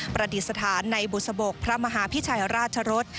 ประดิษฐานในบุษบกพระมหาพิชัยราชรส